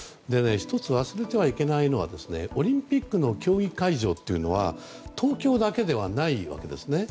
一つ忘れてはいけないのはオリンピックの競技会場というのは東京だけではないわけですね。